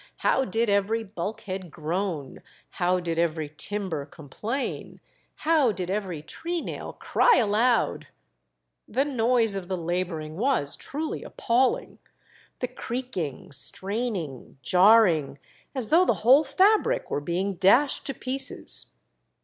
how did every bulkhead groan, how did every timber complain, how did every treenail cry aloud ! The noise of the labouring was truly appalling ; the creaking, straining, jarring, as though the whole fabric were being dashed to pieces.